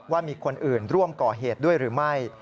ว่ามีคนอื่นร่วมก่อเหตุด้วยหรือไม่